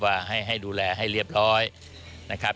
ว่าให้ดูแลให้เรียบร้อยนะครับ